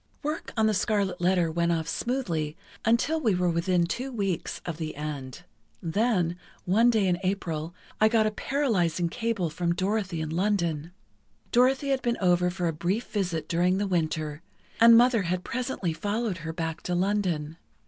"Work on 'The Scarlet Letter' went off smoothly until we were within two weeks of the end. Then, one day in April, I got a paralyzing cable from Dorothy in London. Dorothy had been over for a brief visit during the Winter, and Mother had presently followed her back to London.